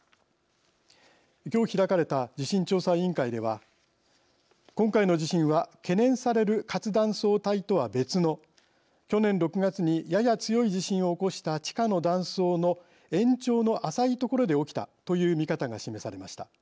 今日開かれた地震調査委員会では今回の地震は懸念される活断層帯とは別の去年６月にやや強い地震を起こした地下の断層の延長の浅い所で起きたという見方が示されました。